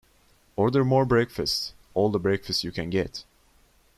Order more breakfast, all the breakfast you can get.